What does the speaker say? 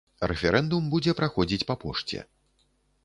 Рэферэндум будзе праходзіць па пошце.